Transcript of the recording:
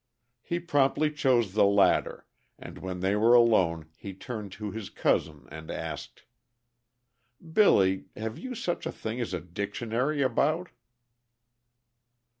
He promptly chose the latter, and when they were alone, he turned to his cousin and asked: "Billy, have you such a thing as a dictionary about?"